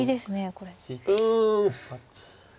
うん。